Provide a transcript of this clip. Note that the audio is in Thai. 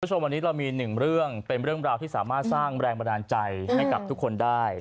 คุณผู้ชมวันนี้เรามีหนึ่งเรื่องเป็นเรื่องราวที่สามารถสร้างแรงบันดาลใจให้กับทุกคนได้